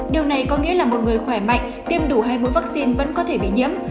điều này có nghĩa là một người khỏe mạnh tiêm đủ hai mũi vaccine vẫn có thể bị nhiễm